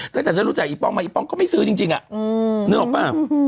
แต่แต่ฉันรู้จักอี๊ป้องมาอี๊ป้องก็ไม่ซื้อจริงจริงอ่ะอืมนึกออกป่ะ